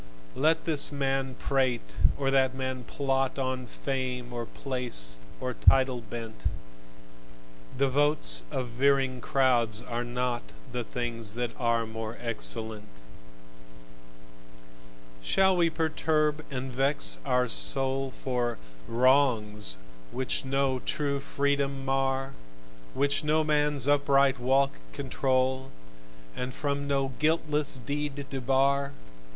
Let this man prate and that man plot, On fame or place or title bent: The votes of veering crowds are not The things that are more excellent. Shall we perturb and vex our soul For "wrongs" which no true freedom mar, Which no man's upright walk control, And from no guiltless deed debar?